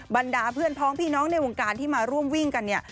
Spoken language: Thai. บรรดาเพื่อนพ้องพี่น้องในวงการที่มาร่วมวิ่งกันเนี่ย